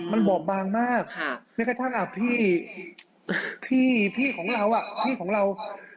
มันบอบบางมากค่ะไม่ก็ทั้งอาทิตย์พี่พี่ของเราอ่ะพี่ของเรา